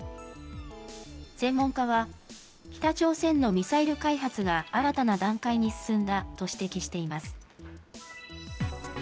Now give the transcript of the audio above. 専門家は、北朝鮮のミサイル開発が新たな段階に進んだと指摘しています。